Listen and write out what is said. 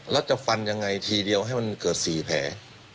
แล้วจะฟันยังไงทีเดียวให้มันเกิด๔แผล